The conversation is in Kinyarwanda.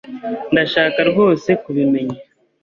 Ndashaka rwose kubimenya.